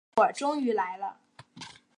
等了一会儿终于来了